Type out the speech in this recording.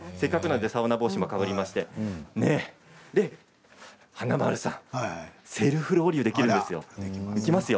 サウナ帽子もかぶりまして華丸さんセルフロウリュ、できるんですよ。